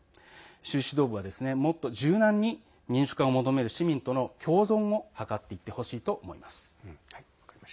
習指導部はもっと柔軟に民主化を求める市民との共存を図っていってほしいと思います。